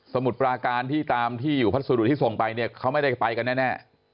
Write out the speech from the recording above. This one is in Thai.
มุดปราการที่ตามที่อยู่พัสดุที่ส่งไปเนี่ยเขาไม่ได้ไปกันแน่